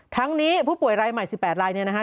ทั้งนี้ผู้ป่วยรายใหม่๑๘รายเนี่ยนะฮะ